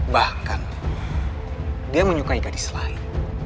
bahkan dia menyukai gadis lain